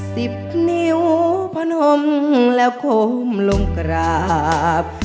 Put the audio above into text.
สิบนิ้วพนมแล้วโคมลงกราบ